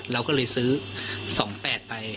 เราก็เลยซื้อ๒๘ไป